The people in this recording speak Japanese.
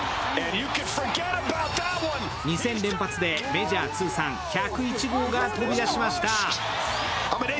２戦連発でメジャー通算１０１号が飛び出しました。